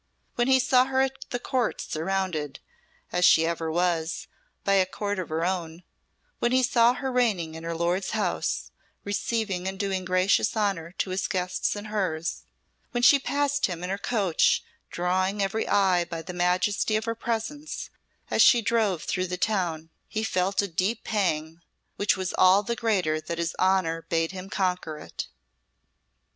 When he saw her at the Court surrounded, as she ever was, by a court of her own; when he saw her reigning in her lord's house, receiving and doing gracious honour to his guests and hers; when she passed him in her coach, drawing every eye by the majesty of her presence, as she drove through the town, he felt a deep pang, which was all the greater that his honour bade him conquer it.